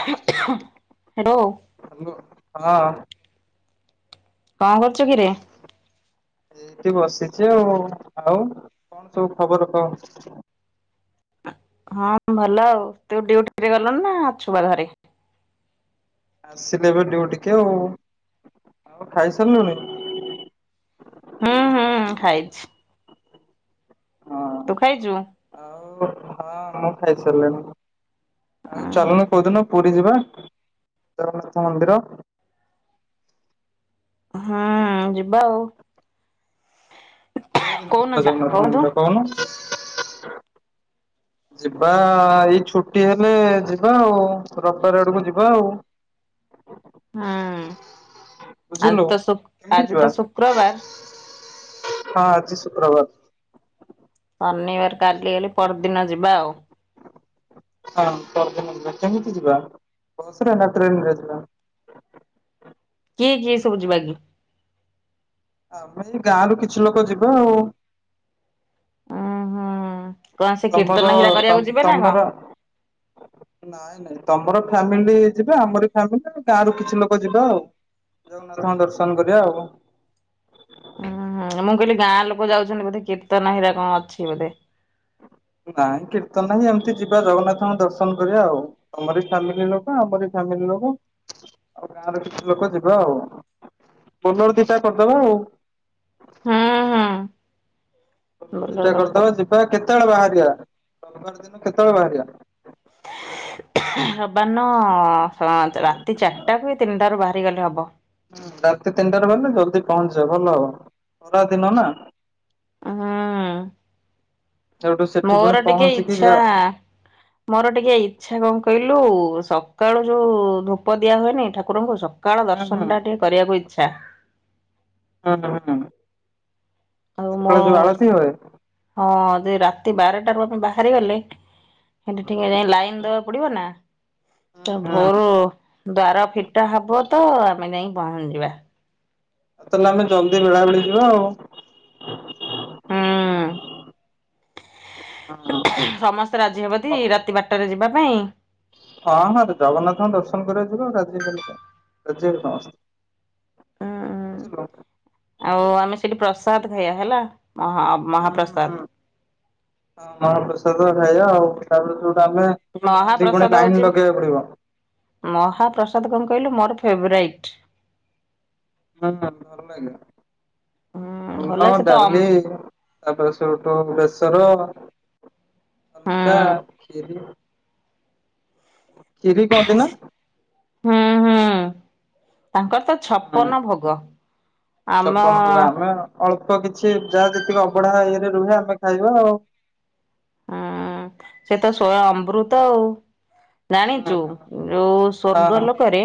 [unintelligible] Hello. Hello ହଁ। କଣ କରୁଛୁ କିରେ? ଏଇଠି ବସିଚି ଆଉ ଆଉ କଣ ସବୁ ଖବର କହ? ହଁ ଭଲ ଆଉ। ତୁ ଡିଉଟିରେ ଗଲୁ ନା ଅଛୁ ଵା ଘରେ? ଆସିଲି ଏବେ ଡିୟୁଟିକୁ ଆଉ। ଆଉ ଖାଇସାରିଲୁଣି? ହୁଁ ହୁଁ ଖାଇଛି। ହଁ ତୁ ଖାଇଛୁ? ଆଉ ହଁ ମୁଁ ଖାଇସାରିଲିଣି ଆଉ ଉହୁଁ ଚାଲୁନୁ ହୁଁ କୋଉଦିନ ପୁରୀ ଯିବା ଜଗନ୍ନାଥ ମନ୍ଦିର। ହୁଁ ଯିବା ଆଉ। କୋଉ ଦିନ କହୁନ ଯିବା ଯା ଜଗନ୍ନାଥ ମନ୍ଦିର କହୁନୁ? ଯିବା ଏଇ ଛୁଟି ହେଲେ ଯିବା। ଆଉ ରବିବାର ଆଡକୁ ଯିବା ଆଉ। ହୁଁ ଆଜି ବୁଝିଲୁ ତ ଶୁ କେମିତି ଆଜି ଯିବା ତ ଶୁକ୍ରବାର। ହଁ ଆଜି ଶୁକ୍ରବାର। ଶନିବାର କାଲି ହେଲେ ପରଦିନ ଯିବା ଆଉ। ହଁ ପରଦିନ ଯିବା କେମିତି ଯିବା ବସ ରେ ନା ଟ୍ରେନରେ ଯିବା। କିଏ କିଏ ସବୁ ଯିବା କି? ଆମ ଏଇ ଗାଁ ରୁ କିଛି ଲୋକ ଯିବା ଆଉ। ଉଁ ହୁଁ କଣ ସେ ତମର କୀର୍ତ୍ତନ ହେରା କରିବାକୁ ତମ ଯିବେ ନା ତମର କଣ? ନାଇଁ ନାଇଁ ତମର ଫ୍ୟାମିଲି ଯିବେ। ଆମର ଫ୍ୟାମିଲି ଗାଁରୁ କିଛି ଲୋକ ଯିବେ ଆଉ। ଜଗନ୍ନାଥ ଙ୍କ ଦର୍ଶନ କରିବା ଆଉ। ଉ ମୁଁ କହିଲି ଗାଁ ଲୋକ ଯାଉଛନ୍ତି ବୋଧେ କୀର୍ତ୍ତନହିରିକା କଣ ଅଛି ବୋଧେ? ନାଇଁ କୀର୍ତ୍ତନ ନାହିଁ। ଏମିତି ଯିବା ଜଗନ୍ନାଥଙ୍କ ଦର୍ଶନ କରିବା ଆଉ। ତମର ଫ୍ୟାମିଲି ଲୋକ ଆମର ଫ୍ୟାମିଲି ଲୋକ ଆଉ ଗାଁର କିଛି ଲୋକ ଯିଵା ଆଉ। ବୋଲର ଦିଟା କରିଦେବା ଆଉ। ହୁଁ ହୁଁ ବୋଲର ବୋଲେର ଦିଟା କରିଦବା କରିଦବ। ଯିବା। କେତେବେଳେ ବାହାରିବା? ରବିବାର ଦିନ କେତେବେଳେ ବାହାରିବା? ରବିବାର ଦିନ ରାତି ଚାରିଟାରୁ କି ତିନିଟାରୁୁ ବାହାରିଗଲେ ହବ। ରାତି ତିନିଟାରେ ବାହାରିଲେ ଜଲଦି ପହଞ୍ଚିବା ଭଲ ହବ ଖରା ଦିନ ନା। ହୁଁ ସେଠୁ ସେଠି ପୁଣି ମୋର ଟିକେ ପହଞ୍ଚିକି ଇଚ୍ଛା ଯା ମୋର ଟିକେ ଇଚ୍ଛା କଣ କହିଲୁ ସକାଳୁ ଯୋଉ ଧୂପ ଦିଆ ହୁଏନି ଠାକୁରଙ୍କୁ। ସ ସକାଳ ହଁ ହଁ ଦର୍ଶନ ଟା ଟିକେ କରିବାକୁ ଇଚ୍ଛା। ହୁଁ ହୁଁ ହୁଁ। ଆଉ ମୁଁ ହୁଏ। ହଁ ଯେ ରାତି ବାରଟାରୁ ଆମେ ବାହାରିଗଲେ ହେଠି ଟିକେ ଯାଇ ଲାଇନି ଦବାକୁ ପଡିବ ନା ତା ହଁ ଭୋରୁ ଦ୍ୱାର ଫିଟା ହବ ତ ଆମେ ଯାଇ ପହଞ୍ଚିଵା। ତାହେଲେ ଆମେ ଜଲଦି ବେଳାବିଳି ଯିବା ଆଉ। ହୁଁ ହଁ। ସମସ୍ତେ ରାଜି ହେବେ ଦି ରାତି ବାରଟାରେ ଯିବା ପାଇଁ? ହଁ ହଁ ଜଗନ୍ନାଥଙ୍କ ଦର୍ଶନ କରିବାକୁ ଯିବେ ଆଉ ରାଜିବେନି ରାଜିହେବେ ସମସ୍ତେ। ଉଁ ବଝିଲ [unintelligible] ଆଉ ଆମେ ସେଠି ପ୍ରସାଦ ଖାଇବା ହେଲା ଅହ ଅବ ହୁଁ ହୁଁ ମହାପ୍ରସାଦ ଖାଇବା ଆଉ ତାପରେ ଯୋଉଟା ଆମେ। ପହଂଚିକି ପୁଣି ମହାପ୍ରସାଦ ହଉଛି ଲାଇନ ଲଗେଇବାକୁ ପଡିବ। ମହାପ୍ରସାଦ କଣ କହିଲୁ ମୋର ଫେବରାଇଟ। ହୁଁ ଭଲ ଲାଗେ ହୁଁ ଭଲ ଅନ୍ନ ସେ ତ ଅମ୍ ଡାଲି ତାପରେ ସେଠୁ ବେସର ହୁଁ କନିକା ଖିରି। କ୍ଷୀରି କୁହନ୍ତି ନା? ହୁଁ ହୁଁ। ତାଙ୍କର ତ ହୁଁ ଛପନ ଭୋଗ ଆମ ଛପନ ଭୋଗ ଆମେ ଅଳ୍ପ କିଛି ଯାହା ଯେତିକି ଅବଢା ଇଏରେ ରୁହେ ଆମେ ଖାଇବା ଆଉ। ହୁଁ ସେ ତ ସ୍ୱୟ ଅମୃତ ଆଉ। ହୁଁ ଜାଣିଚୁ ଯୋଉ ସ୍ଵର୍ଗ ହଁ ଲୋକରେ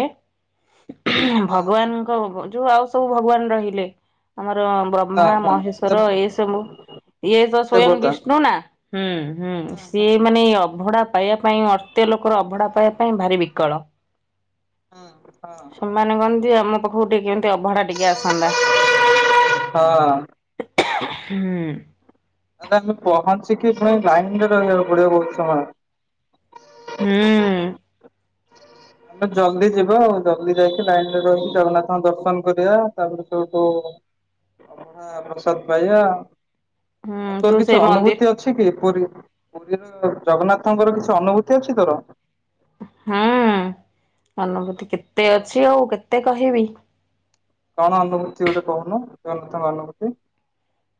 ଭଗବାନଙ୍କ ଯୋଉ ଆଉ ସବୁ ଭଗବାନ ରହିଲେ ଆମର ହଁ ବ୍ରହ୍ମା ହଁ ମହେଶ୍ଵର ଏ ସବୁ ଇଏ ତ ସ୍ଵୟଂ ଦେବତା। ବିଷ୍ଣୁ ନା ହୁଁ ହୁଁ। ସିଏ ମାନେ ଏଇ ଅଭଢା ପାଇବା ପାଇଁ ମର୍ତ୍ୟ ଲୋକର ଅଭଢା ପାଇବା ପାଇଁ ଭାରି ବିକଳ। ହଁ। ସେମାନେ କହନ୍ତି ଆମ ପାଖକୁ ଟିକେ କେମିତି ଅଭଢା ଟିକେ ଆସନ୍ତା। ହଁ। ହୁଁ। ତାହେଲେ ଆମେ ପହଞ୍ଚିକି ପୁଣି ଲାଇନ୍ ରେ ରହିବାକୁ ପଡିବ ବହୁତ ସମୟ। ହୁଁ। ଜଲଦି ଯିବା ଆଉ ଜଲଦି ଯାଇକି ଲାଇନରେ ରହିକି ଜଗନ୍ନାଥଙ୍କ ଦର୍ଶନ କରିବା ତାପରେ ତୁ ତୋ [unintelligible] ଅବଢ଼ା ପ୍ରସାଦ ପାଇବା। ଆଉ ହୁଁ ତୋର ତୁ କିଛି ସେଇ ମନ୍ଦିର ଅନୁଭୂତି ଅ ଛି କି ପୁରୀ ପୁରୀର ଜଗନ୍ନାଥଙ୍କର କିଛି ଅନୁଭୂତି ଅଛି ତୋର? ହୁଁ ଅନୁଭୂତି କେତେ ଅଛି ଆଉ କେତେ କହିବି। କଣ ଅନୁଭୂତି ଗୋଟେ କହୁନୁ ଜଗନ୍ନାଥ ଙ୍କ ଅନୁଭୂତି।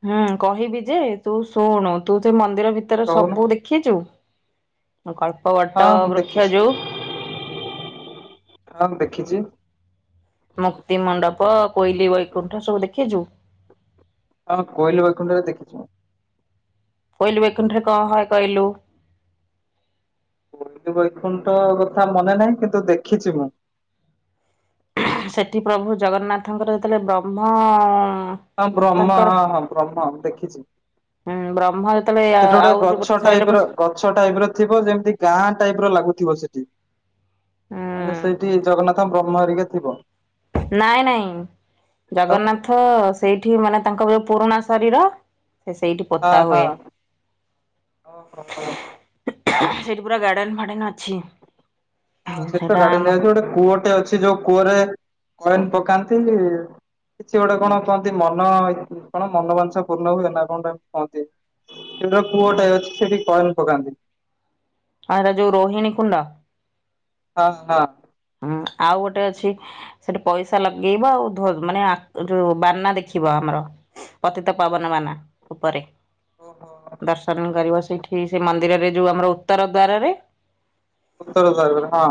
ହୁଁ କହିବି ଯେ ତୁ ଶୁଣୁ ତୁ ସେ ମନ୍ଦିର ଭିତରେ କହୁନୁ ସବୁ ଦେଖ ଖିଚୁ କଳ୍ପ ହଁ ବଟ ମୁଁ ବୃକ୍ଷ ଦେଖିଛି। ଯୋଉ ହଁ ଦେଖିଚି। ମୁକ୍ତି ମଣ୍ଡପ କୋଇଲି ବୈକୁଣ୍ଠ ସବୁ ଦେଖିଚୁ? ହଁ କୋଇିଲ ବୈଖୁଣ୍ଡ ରେ ଦେଖିଚି। କୋଇଲି ବୈକୁଣ୍ଠ ରେ କଣ ହୁଏ କହିଲୁ? କୋଇଲି ବୈକୁଣ୍ଠ କଥା ମନେ ନାହିଁ କିନ୍ତୁ ଦେଖିଛି ମୁଁ। ସେଠି ପ୍ରଭୁ ଜଗନ୍ନାଥଙ୍କର ଯେତେବେଳେ ବ୍ରହ୍ମ ହଁ ବ୍ରହ୍ମ ତାଙ୍କର ହଁ ହଁ ବ୍ରହ୍ମ ଦେଖିଚି। ହୁଁ ବ୍ରହ୍ମ ଯେତେବେଳେ ଆଉ ଯୋଉ ଗଛ ଗୋଟେ ଟାଇପ ଶରୀରକୁ ର ଗଛ ଟାଇପ ର ଥିବ ଯେମିତି ଗାଁ ଟାଇପ ର ଲାଗୁଥିବ ସେଠି। ମାନେ ହୁଁ ସେଇଠି ଜଗନ୍ନାଥ ବ୍ରହ୍ମ ହରିକା ଥିବ। ନାଇଁ ନାଇଁ ଆଉ ଜଗନ୍ନାଥ ସେଇଠି ମାନେ ତାଙ୍କର ଯୋଉ ପୁରୁଣା ଶରୀର ସେ ସେଇଠି ହଁ ପୋତା ହଁ। ହୁଏ। ଓହୋ ସେଠି ପୁରା ଗାର୍ଡେନ ଫାଡେନ୍ ଅଛି। ହଁ ସେଠ ତ ସେଇଟା ଗାର୍ଡେନ ଆମର ଗୋଟେ କୂଅଟେ ଅଛି ଯୋଉ କୂଅରେ ହଁ କଏନ ପକାନ୍ତି କିଛି ଗୋଟେ କଣ କୁହନ୍ତି ମନ କଣ ମନବାଞ୍ଛା ପୂର୍ଣ୍ଣ ହୁଏ ନା କଣ ଗୋଟେ କୁହନ୍ତି। ସେଠି ହଁ ପୁଅଟା ଅଛି ସେଠିକି କଏନ ପକାନ୍ତି। ଆଉଟା ହେଟା ଯୋଉ ରୋହିଣୀ କୁଣ୍ଡ। ହଁ ହଁ। ହୁଁ ଆଉ ଗୋଟେ ଅଛି ସେଠି ପଇସା ଲଗେଇବ ଆଉ ଧୋ ମାନେ ଯୋଉ ବାନା ଦେଖିବ ଆମର ପତିତ ପାବନବାନା ଉପରେ ଓହୋ ଦର୍ଶନ କରିବ ସେଇଠି ସେ ମନ୍ଦିରରେ ଯୋଉ ଆମର ଉତ୍ତର ଦ୍ଵାରରେ ଉତ୍ତର ଦ୍ୱାରରେ ହଁ।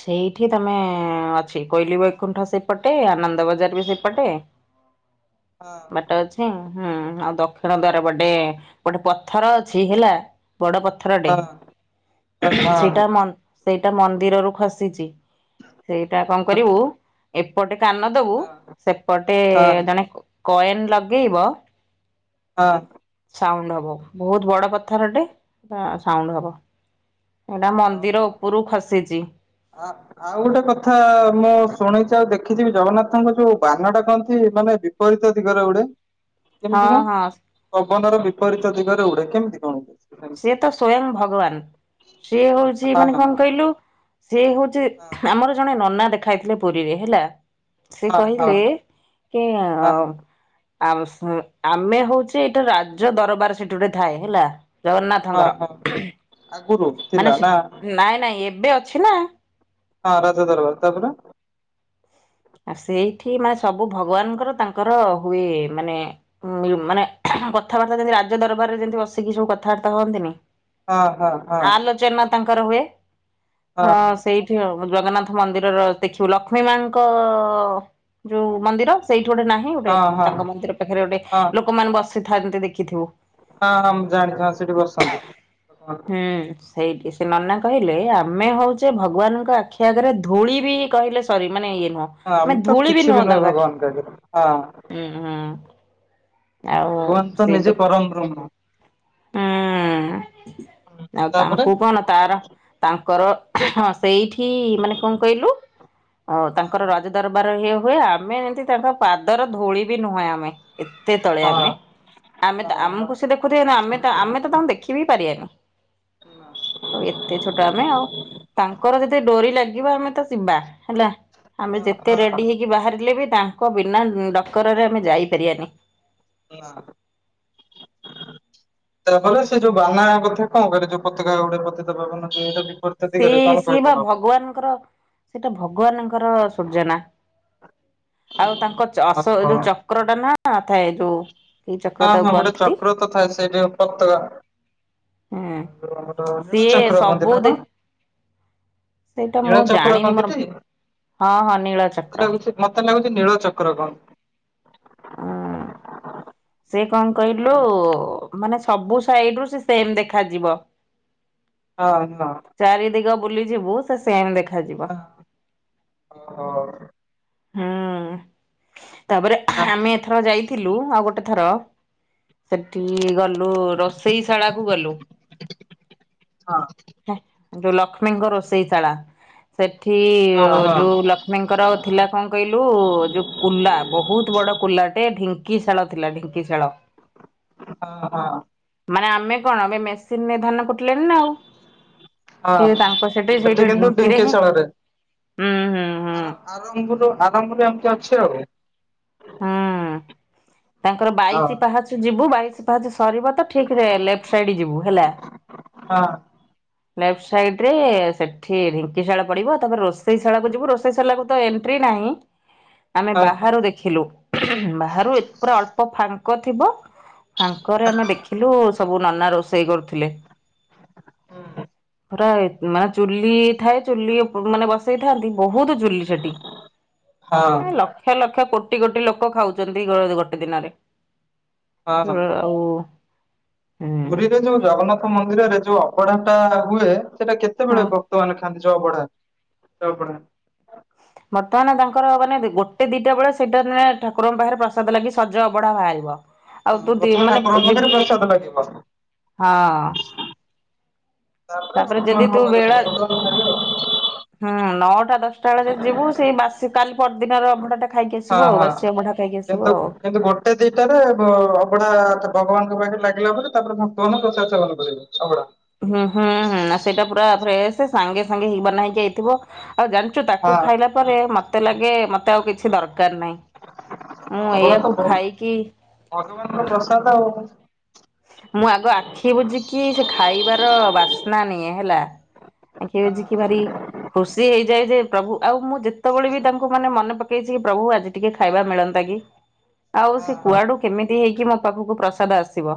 ସେଇଠି ତମେ ଅଛି କୋଇଲି ବୈକୁଣ୍ଠ ସେପଟେ ଆନନ୍ଦ ବଜାର ବି ସେପଟେ। ବାଟ ଅଛି। ହୁଁ ଆଉ ଦକ୍ଷିଣ ଦ୍ଵାର ଗୋଟେ ଗୋଟେ ପଥର ଅଛି ହେଲା ବଡ ପ ପଥରଟେ ହଁ ହଁ ସେଇଟା ହଁ ହଁ [unintelligible] ସେଇଟା ମନ୍ଦିରରୁ ଖସିଛି। ସେଇଟା କଣ କରିବୁ ଏପଟେ କାନ। ବୁ ସେପଟେ ଜଣେ କଏନ ଲଗେଇବ। ହଁ। ସାଉଣ୍ଡ ହବ ବହୁତ ବଡ ପଥରଟେ ହଁ ସାଉଣ୍ଡ ହବ। ଏଇଟା ମନ୍ଦିର ଉପରୁକୁ ଖସିଛି। ହଁ। ଆଉ ଗୋଟେ କଥା ମୁଁ ଶୁଣିଛି ଆଉ ଦେଖିଛି ଜଗନ୍ନାଥଙ୍କ ଯୋଉ ବାନ ଟା କହନ୍ତି ମାନେ। ବି ବିପରୀତ ଦିଗରେ ଉଡ଼େ। ହଁ କେମିତି ହଁ କଣ ପବନ ର ବିପରୀତ ଦିଗରେ ଉଡେ କେମିତି କଣ? ସେ ତ ସ୍ଵୟଂ ଭଗବାନ ସିଏ ହଉଛି ହଁ ମାନେ ହଁ କଣ କହିଲୁ ସେ ହଉ ଛି ଆମର ଜଣେ ନନା ଦେଖା ହେଇଥିଲେ ପୁରୀରେ ହେଲା। ସେ ହଁ ହଁ କହିଲେ କି ଅ ହଁ ଆ ଆମେ ହଉଛେ ଏଇଟା ରାଜ ଦରବାର ସେଠି ଗୋଟେ ଥାଏ ହେଲା। ହଁ ଜଗନ୍ନାଥଙ୍କର ହଁ ଆଗରୁ ଥିଲା ମାନେ ସେ ନା ନାଇଁ ନାଇଁ ଏବେ ଅଛି ନା। ଆରାଧ ଦରବାର ତାପରେ ଆ ସେଇଠି ମାନେ ସବୁ ଭଗବାନଙ୍କର ତାଙ୍କର ହୁଏ ମାନେ ଉ ମାନେ କଥାବାର୍ତ୍ତା ଯେମତି ରାଜ୍ୟ ଦରବାରରେ ଯେମିତି ବସିକି ସବୁ କଥାବାର୍ତ୍ତା ହୁଅନ୍ତିନି। ହଁ ହଁ ହଁ ଆଲୋଚନା ତାଙ୍କର ହୁଏ। ହଁ ସେଇଠି ଜଗନ୍ନାଥ ମନ୍ଦିରର ଦେଖିବୁ ଲକ୍ଷ୍ମୀ ମାଙ୍କ ଙ୍କ ଯୋଉ ମନ୍ଦିର ସେଇଠି ଗୋଟେ ନାହିଁ [unintelligible] ଗୋଟେ ହଁ ହଁ ତାଙ୍କ ମନ୍ଦିର ପାଖରେ ଗୋଟେ ହଁ ଲୋକମାନେ ବସିଥାନ୍ତି ଦେଖିଥିବୁ। ହଁ ହଁ ଜାଣିଛି ହଁ ସେଠି ବସନ୍ତି। ଭଗବାନ। ହୁଁ। ସେଇଠି ସେ ନନା କହିଲେ ଆମେ ହଉଛେ ଭଗବାନଙ୍କ ଆଖି ଆଗରେ ଧୂଳି ବି କହିଲେ ସରି ମାନେ ଇଏ ନୁହଁ ହଁ ଆମେ ତ ଧୂଳି ବି କିଛି ନୁହଁ ନୁହେଁ ତାଙ୍କ ଆଖି ଭଗବାନଙ୍କ ଆଗରେ ହଁ ହୁଁ। ଆଉ ଭଗବାନ ତ ଶିବ ନିଜେ ପରମ ବ୍ରହ୍ମ। ହୁଁ ହୁଁ, ଆଉ ତାପରେ ତାଙ୍କୁ କଣ ତାର ତାଙ୍କର ହଁ ସେଇଠି ମାନେ କଣ କହିଲୁ? ଓଉ ତାଙ୍କର ହଁ ରଜ ଦରବାର ଇଏ ହୁଏ ଆମେ ଏମିତି ତାଙ୍କ ପାଦର ଧୋଳି ବି ନୁହେଁ ଆମେ। ଏତେ ତଳେ ହଁ ଆମେ ଆମେ ହଁ ତା ହଁ ଆମକୁ ସେ ଦେଖୁଥିବ ନା ଆମେ ତ ଆମେ ତ ତାଙ୍କୁ ଦେଖିବି ପାରିବାନି। ହଁ ଆଉ ଏତେ ଛୋଟ ଆମେ ଆଉ ତାଙ୍କର ଯେତେ ଡୋରି ଲାଗିବ ଆମେ ତ ଯିବା ହେଲା। ଆମେ ଯେତେ ରେଡ଼ି ହେଇକି ବାହାରିଲେ ବି ତାଙ୍କ ବିନା ଡକରାରେ ଆମେ ଯାଇପାରିବାନି। ନାଁ। ତାପରେ ସେ ଯୋଉ ବାନା କଥା କଣ କଲେ ଯୋଉ ପତାକା ଗୋଟେ ପତିତ [unintelligible] ବିପ ସେଇ ସିଏ ବା ଭଗବାନଙ୍କର। ସେଇଟା ଭଗବାନଙ୍କର ସୂଜନା ଆଉ ତାଙ୍କ ଅସ ଓହୋ। ଯୋଉ ଚକ୍ର ଟା ନା ଥାଏ ଯୋଉ ଏ ଚକ୍ର ତାକୁ କୁହନ୍ତି କୃତ ଥାଏ ସେଇଠି ପତକା। ହୁଁ ଯଉ ଆମର ନୀଳ ସିଏ ଚକ୍ର କୁହନ୍ତି ସବୁ ନା ଦେ କଣ? ସେଇଟା ନୀଳ ମୁଁ ଚକ୍ର ଜାଣିନି କହନ୍ତି ମୋର ଟି? ହଁ ହଁ ନୀଳ ମତେ ଚକ୍ର। ଲାଗୁଛି ମତେ ଲାଗୁଛି ନୀଳ ଚକ୍ର କ ଉଁ ସେ କଣ କହିଲୁ ମାନେ ସବୁ ସାଇଡ ରୁ ସେ ସେମ୍ ଦେଖାଯିବ। ହଁ [unintelligible] ଚାରି ଦିଗ ବୁଲିଯିବୁ ସେ ସେମ୍ ଦେଖାଯିବ। ଓ ହ। ହୁଁ ତାପରେ ହାଁ ଆମେ ଏଥର ଯାଇଥିଲୁ ଆଉ ଗୋଟେ ଥର ସେଠି ଗଲୁ ରୋଷେଇଶାଳା କୁ ଗଲୁ। ହଁ। ହେଁ ଯୋଉ ଲକ୍ଷ୍ମୀଙ୍କ ରୋଷେଇଶାଳା ସେଠି ହଁ ଯୋଉ ହଁ ଲକ୍ଷ୍ମୀଙ୍କର ଥିଲା କଣ କହିଲୁ ଯୋଉ କୁଲା ବହୁତ୍ ବଡ କୁଲା ଟେ ଢିଙ୍କିଶାଳ ଥିଲା ଢିଙ୍କିଶାଳ। ହଁ ହଁ। ମାନେ ଆମେ କଣ ଏବେ ମେସିନରେ ଧାନ କୁଟିଲେଣି ନା ଆଉ। ହଁ ସିଏ ତାଙ୍କ ସେଠି ସେଇଠି କିନ୍ତୁ ଢିଙ୍କିରେ ହିଁ ଡିଙ୍କିଶାଳରେ। ହୁଁ ହୁଁ ହୁଁ। ଆର ଆରମ୍ଭରୁ ଆରମ୍ଭରୁ ଏମିତି ଅଛି ଆଉ। ହୁଁ ତାଙ୍କର ହଁ ବାଇଶି ପାହାଛ ଯିବୁ ବାଇଶି ପାହାଚ ସରିବ ତ ଠିକ୍ ରେ ଲେପ୍ଟ ସାଇଡ୍ ଯିବୁ ହେଲା। ହଁ। ଲେଫ୍ଟ ସାଇଡ ରେ ସେଠି ଢିଙ୍କିଶାଳ ପଡିବ ତାପରେ ରୋଷେଇ ଶାଳା କୁ ଯିବୁ ରୋଷେଇ ଶାଳାକୁ ତ ଏଣ୍ଟ୍ରି ନାହିଁ ଆମେ ହଁ ହଁ। ବାହାରୁ ଦେ ଖିଲୁ ଉଁ ବାହାରୁ ଏତ ପୁରା ଅଳ୍ପ ଫାଙ୍କ ଥିବ ଫାଙ୍କରେ ଆମେ ଦେଖିଲୁ ସବୁ ନନା ରୋଷେଇ କରୁଥିଲେ। ହୁଁ। ପୁରା ଏତ ମାନେ ଚୁଲି ଥାଏ ଚୁଲି ଉ ମାନେ ବସେଇଥାନ୍ତି ବହୁତ୍ ଚୁଲି ସେଠି। ହଁ। ଏ ଲକ୍ଷ ଲକ୍ଷ କୋଟି କୋଟି ଲୋକ ଖାଉଛନ୍ତି ଗୋ ଗୋଟେ ଦିନରେ ହଁ। [unintelligible] ହଉ ପୁରୀରେ ଯୋଉ ଜଗନ୍ନାଥ ମନ୍ଦିରରେ ଯୋଉ ଅବଢା ଟା ହୁଏ ସେଟା କେତେବେଳେ ହଁ। ଭ କ୍ତ ମାନେ ଖାଆନ୍ତି ଯୋଉ ଅବଢା ସେ ଅବଢା। ବର୍ତ୍ତମାନ ତାଙ୍କର ମାନେ ଦେ ଗୋଟେ ଦିଟା ବେଳେ ସେଇଟା ନେ ଠାକୁରଙ୍କ ପାଖରେ ପ୍ରସାଦ ଲାଗି ସଜ ଅବଢା ବାହାରିବ। ଆଉ ହଁ ତୁ ଦି ପ୍ରଥମେ ମାନେ ଠାକୁରଙ୍କ ପାଖରେ ପ୍ରସାଦ ଲାଗିବ। ହଁ। ତାପରେ ଭକ୍ତ ଯଦି ତୁ ମାନଙ୍କ ପାଖରେ ବେଳା [unintelligible] ଲାଗେ ଆଉ। ହୁଁ ନଅଟା ଦଶଟା ବେଳେ ଯଦି ଯିବୁ ସେଇ ବାସି କାଲି ପରଦିନର ଅଭଡା ଟା ଖାଇକି ହଁ ଆସିବୁ ଆଉ ହଁ ବାସି ଅବଢା ଖାଇକି ଆସ କିନ୍ତୁ କିନ୍ତୁ ଗୋ ଗୋଟେ ଦିଟାରେ ବ ଅଭଡା ଠା ଭଗବାନଙ୍କ ପାଖରେ ଲାଗିଲା ପରେ ତାପରେ ଭକ୍ତ ମାନେ ପ୍ରସାଦ ସେବନ କରିବେ ଅବଡା। ହୁଁ ହୁଁ ହୁଁ ଆଉ ସେଇଟା ପୁରା ଫ୍ରେଶେ ସାଙ୍ଗେ ସାଙ୍ଗେ ହେଇ ବନା ହେଇକି ଆଇଥିବ ଆଉ ଜାଣି ଚୁ ତାକୁ ହଁ ଖାଇଲା ପରେ ମତେ ଲାଗେ ମତେ ଆଉ କିଛି ଦରକାର୍ ନାହିଁ। ମୁଁ ଅବଢା ତ ଏଇଆକୁ ବହୁତ ଖାଇକି ଭଗବାନଙ୍କ ପ୍ରସାଦ ଆଉ। ମୁଁ ଆଗ ଆଖି ବୁଜିକି ସେ ଖାଇବାର ବାସ୍ନା ନିଏ ହେଲା। ଆଖି ବୁଜିକି ଭାରି ଖୁସି ହେଇଯାଏ ଯେ ପ୍ରଭୁ ଆଉ ମୁଁ ଯେତେବେଳେ ବି ତାଙ୍କୁ ମାନେ ମନେ ପକେଇଛି ପ୍ରଭୁ ଆଜି ଟିକେ ଖାଇବା ମିଳନ୍ତା କି? ଆଉ ସେ ହଁ କୁଆଡ଼ୁ କେମିତି ହେଇକି ମୋ ପାଖକୁ ପ୍ରସାଦ ଆସିବ।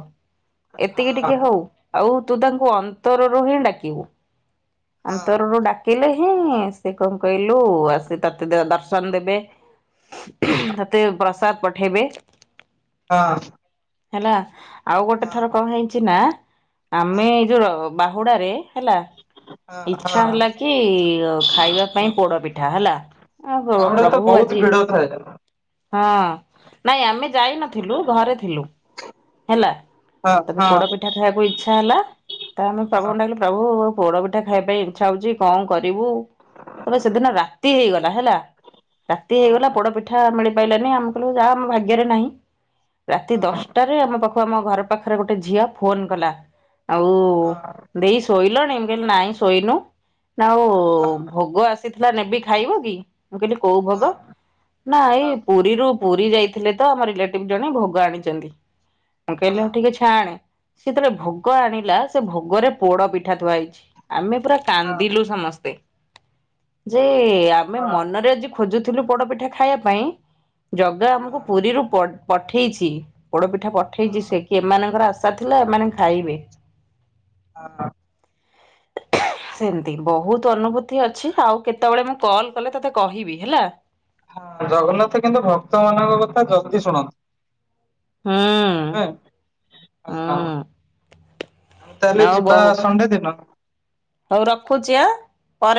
ଏତିକି ହଁ ଟିକେ ହଉ ଆଉ ତୁ ତାଙ୍କୁ ଅନ୍ତରରୁ ହିଁ ଡାକିବୁ। ହଁ ଅନ୍ତରରୁ ଡାକିଲେ ହିଁ ସେ କଣ କହିଲୁ ଆସି ତତେ ଦର୍ଶନ ଦେବେ। ହଁ ହଁ ମତେ ପ୍ରସାଦ ପଠେଇବେ। ହଁ। ହେଲା ଆଉ ଗୋଟେ ଥର କଣ ହେଇଛି ନା ଆମେ ଏଇ ଯୋ ବାହୁଡ଼ା ରେ ହେଲା ହଁ ହଁ ଇଛା ହଁ ହେଲା କି କି ଖାଇବା ପାଇଁ ପୋଡ଼ ପିଠା ହେଲା ଆଉ ବାହୁଡାରେ ତ ପ୍ରଭୁ ଆଜି [unintelligible] ହଁ ନାଇଁ ଆମେ ଯାଇ ନଥିଲୁ ଘରେ ଥିଲୁ। ହେଲା ହଁ ତପରେ ହଁ ପୋଡ଼ ପିଠା ଖାଇବାକୁ ଇଛା ହେଲା ତ ଆମେ ହଁ ପ୍ରଭୁଙ୍କୁ ଡାକିଲୁ ପ୍ରଭୁ ପୋଡ଼ ପିଠା ଖାଇବା ପାଇଁ ଇଚ୍ଛା ହଉଛି କଣ କରିବୁ? ତବେ ସେଦିନ ରାତି ହେଇଗଲା ହେଲା ରାତି ହେଇଗଲା ହଁ ପୋଡ଼ ପିଠା ମିଳିପାଇଲାନି ଆମେ କହିଲୁ ଯାହା ଆମ ଭାଗ୍ୟରେ ନାହିଁ ରାତି ହଁ ଦଶ ଟାରେ ଆମ ପାଖକୁ ଆମ ଘର ପାଖରେ ଗୋଟେ ଝିଅ ଫୋନ୍ କଲା ଆଉ ହଁ ଦେଇ ଶୋଇଲଣି ମୁଁ କହିଲି ନାଇଁ ଶୋଇନୁ ନା ଆଉ ଭୋଗ ଆସିଥିଲା ନେବି ଖାଇବ କି ମୁଁ କହିଲି କୋଉ ଭୋଗ? ହଁ ନା ଏଇ ହଁ ପୁରୀରୁ ପୁରୀ ଯାଇଥିଲେ ତ ଆମ ରିଲେଟିଭ ଜଣେ ଭୋଗ ଆଣିଛନ୍ତି। ମୁଁ କହିଲି ହଁ ଠିକ୍ ଅଛି ଛାଣେ ସିଏ ତେବେଳେ ଭୋଗ ଆଣିଲା ସେ ଭୋଗରେ ପୋଡ଼ ପିଠା ଥୁଆ ହେଇଛି ଆମେ ପୁରା ହଁ କାନ୍ଦିଲୁ ସମସ୍ତେ ଯେ ଆମେ ମନରେ ଆଜି ଖୋଜୁଥିଲୁ ପୋଡ଼ ପିଠା ଖାଇବା ପାଇଁ ଜଗା ଆମକୁ ପୁରୀରୁ ପଠେଇଛି ପୋଡ଼ ପିଠା ପଠେଇଛି ସେ କି ଏମାନଙ୍କର ଆଶା ଥିଲା ଏମାନେ ଖାଇବେ [unintelligible] ସେମିତି ବହୁତ ଅନୁଭୂତି ଅଛି ଆଉ କେତେବେଳେ ମୁଁ କଲ୍ କଲେ ତତେ କହିବି ହେଲା ଜଗନ୍ନାଥ କିନ୍ତୁ ଭକ୍ତ ମାନଙ୍କ କଥା ଜଲଦି ଶୁଣନ୍ତି। ହୁଁ ହୁଁ ହଁ। ତାହେଲେ ଆଉ ଯିବା ବହୁ ସଣ୍ଡେ ଦିନ? ହଉ ରଖୁଛି ଆଁ।